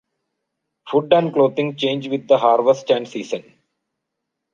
Food and clothing change with the harvest and season.